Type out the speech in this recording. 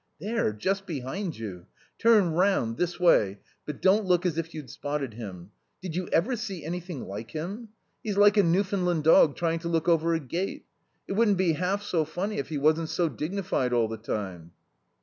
"There, just behind you. Turn round this way but don't look as if you'd spotted him.... Did you ever see anything like him? He's like a Newfoundland dog trying to look over a gate. It wouldn't be half so funny if he wasn't so dignified all the time."